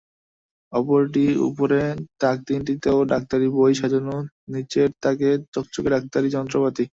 অপরটির উপরে তাক তিনটিতেও ডাক্তারি বই সাজানো, নিচের তাকে চকচকে ডাক্তারি যন্ত্রপাতি।